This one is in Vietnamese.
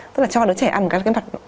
tức là cho đứa trẻ ăn cái mặt